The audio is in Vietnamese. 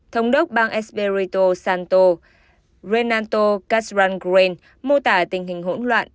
thống đốc bang espirito santo renato castrangren mô tả tình hình hỗn loạn